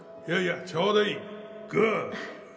いやいやちょうどいいグー。